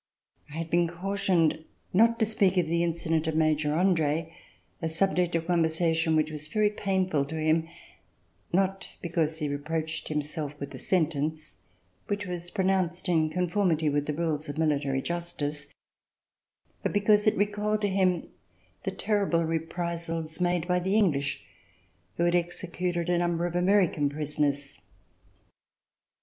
I had been cautioned not to speak of the incident of Major Andre, a subject of conversation which was very painful to him — not because he re proached himself with the sentence, which was pro nounced in conformity with rules of military justice, but because it recalled to him the terrible reprisals made by the English, who had executed a number of American prisoners.